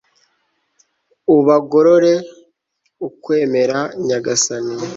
ubagororere ukwemera, nyagasani